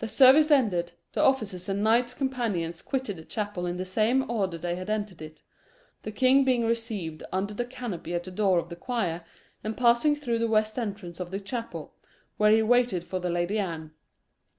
The service ended, the officers and knights companions quitted the chapel in the same order they had entered it, the king being received under the canopy at the door of the choir, and passing through the west entrance of the chapel, where he waited for the Lady Anne.